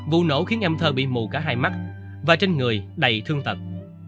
vụ nổ khiến em thơ bị mù cả hai mắt và trên người đầy thương tật